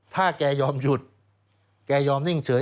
ถ้าแกยอมหยุดแกยอมนิ่งเฉย